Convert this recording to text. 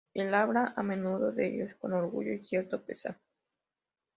Él habla a menudo de ellos con orgullo y cierto pesar.